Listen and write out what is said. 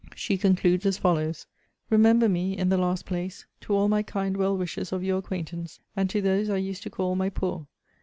She concludes as follows: Remember me, in the last place, to all my kind well wishers of your acquaintance; and to those I used to call My Poor.